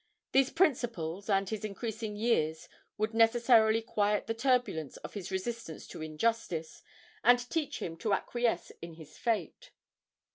These principles and his increasing years would necessarily quiet the turbulence of his resistance to injustice, and teach him to acquiesce in his fate.